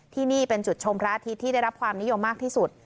ที่นี่เป็นจุดชมพระอาทิตย์ที่ได้รับความนิยมมากที่สุด